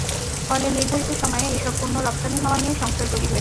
ফলে নির্ধারিত সময়ে এসব পণ্য রপ্তানি হওয়া নিয়ে সংশয় তৈরি হয়েছে।